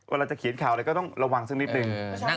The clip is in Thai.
เวลาเขียนข่าวอะไรก็ต้องระวังส้มเร็ปนึง